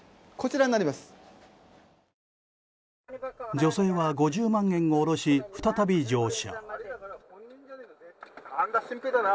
女性は５０万円を下ろし再び乗車。